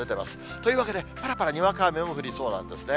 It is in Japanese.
というわけで、ぱらぱらにわか雨も降りそうなんですね。